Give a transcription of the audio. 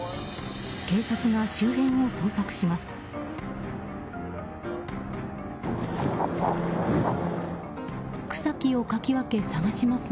警察が周辺を捜索します。